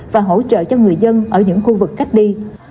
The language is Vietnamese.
và hỗ trợ cho người dân ở những khu vực cách ly